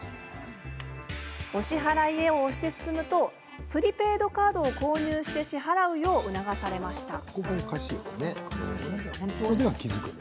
「お支払いへ」を押して進むとコンビニなどでプリペイドカードを購入して支払うよう促されました。